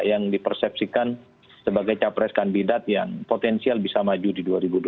yang dipersepsikan sebagai capres kandidat yang potensial bisa maju di dua ribu dua puluh